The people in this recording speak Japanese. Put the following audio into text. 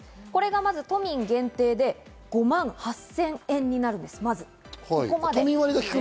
これがまず都民限定で５万８０００円になるんです、まず。